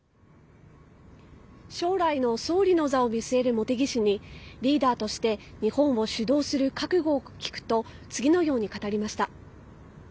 将来の総理の座を見据える茂木氏に、リーダーとして日本を主導する覚悟を聞くと次のように語りました。